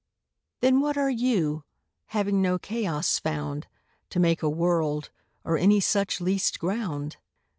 Then what are You, having no Chaos found To make a World, or any such least ground?